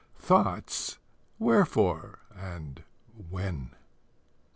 Thought's "Wherefore?" and "When?"